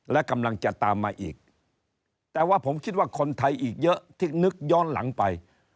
และกำลังจะตามมาอีกแต่ว่าผมคิดว่าคนไทยอีกเยอะที่นึกย้อนหลังไป